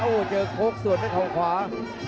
โอ้วเจอโคกส่วนขวา